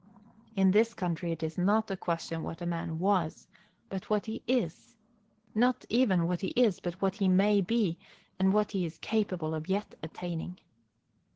In this country it is not a question what a man was, but what he is; not even what he is, but what he may be, and what he is capable of yet attaining.